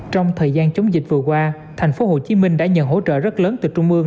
trong thời gian chống dịch vừa qua tp hcm đã nhận hỗ trợ rất lớn từ trung ương